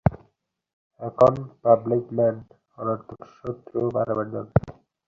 এখন public man, অনর্থক শত্রু বাড়াবার দরকার নাই।